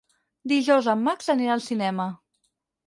Dijous en Max anirà al cinema.